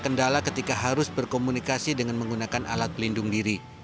kondisi ini adalah ketika harus berkomunikasi dengan menggunakan alat pelindung diri